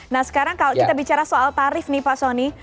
nah sekarang kalau kita bicara soal tarif nih pak soni